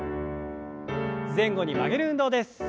前後に曲げる運動です。